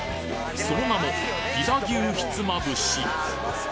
その名も、飛騨牛ひつまぶし。